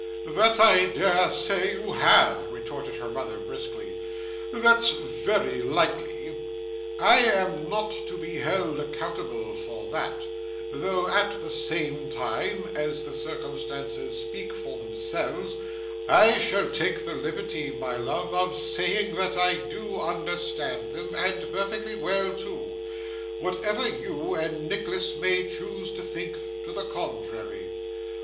'That I dare say you have,' retorted her mother, briskly. 'That's very likely. I am not to be held accountable for that; though, at the same time, as the circumstances speak for themselves, I shall take the liberty, my love, of saying that I do understand them, and perfectly well too; whatever you and Nicholas may choose to think to the contrary.